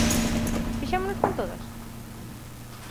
Fixémonos con todas?